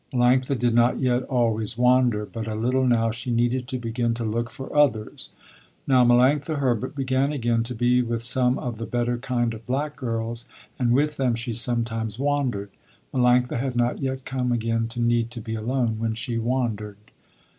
Melanctha did not yet always wander, but a little now she needed to begin to look for others. Now Melanctha Herbert began again to be with some of the better kind of black girls, and with them she sometimes wandered. Melanctha had not yet come again to need to be alone, when she wandered.